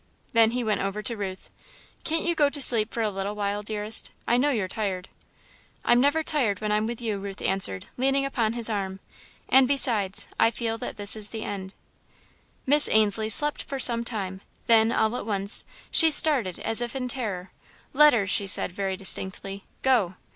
Then he went over to Ruth. "Can't you go to sleep for a little while, dearest? I know you're tired." "I'm never tired when I'm with you," Ruth answered, leaning upon his arm, "and besides, I feel that this is the end." Miss Ainslie slept for some time, then, all at once, she started as if in terror. "Letters," she said, very distinctly, "Go!"